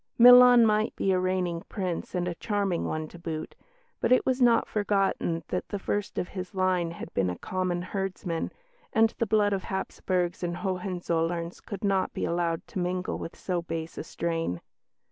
Milan might be a reigning Prince and a charming one to boot, but it was not forgotten that the first of his line had been a common herdsman, and the blood of Hapsburgs and Hohenzollerns could not be allowed to mingle with so base a strain.